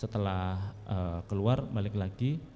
setelah keluar balik lagi